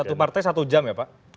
satu partai satu jam ya pak